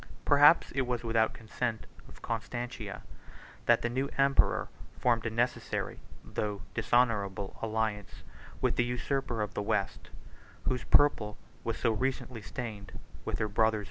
Perhaps it was without the consent of Constantina, that the new emperor formed a necessary, though dishonorable, alliance with the usurper of the West, whose purple was so recently stained with her brother's blood.